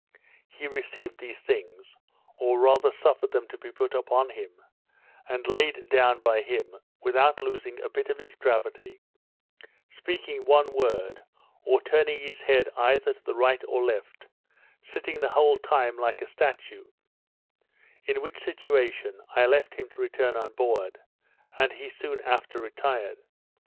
He received these things, or rather suffered them to be put upon him, and laid down by him, without losing a bit of his gravity, speaking one word, or turning his head either to the right or left; sitting the whole time like a statue; in which situation I left him to return on board, and he soon after retired.